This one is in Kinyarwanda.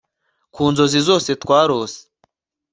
Ku nzozi zose twarose